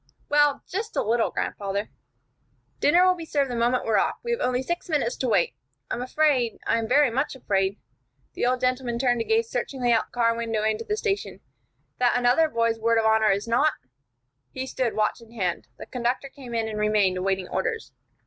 "Well, just a little, grandfather." "Dinner will be served the moment we are off. We have only six minutes to wait. I am afraid I am very much afraid " the old gentleman turned to gaze searchingly out of the car window into the station "that another boy's word of honor, is not " He stood, watch in hand. The conductor came in and remained, awaiting orders.